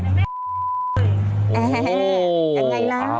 มันเป็นยังไง